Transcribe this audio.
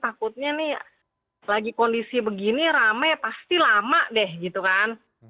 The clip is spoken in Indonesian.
takutnya nih lagi kondisi begini rame pasti lama deh gitu kan